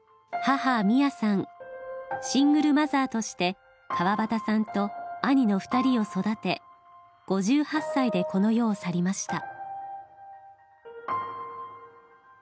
シングルマザーとして川端さんと兄の２人を育て５８歳でこの世を去りました。